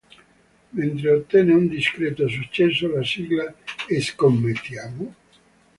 Mentre ottenne un discreto successo la sigla "Scommettiamo?